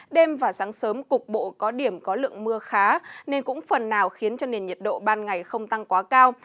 đêm và sáng sớm cục bộ có điểm có lượng mưa khá nên cũng phần nào khiến cho nền nhiệt độ ban ngày không tăng quá cao